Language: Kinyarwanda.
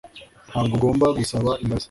Ntabwo ugomba gusaba imbabazi.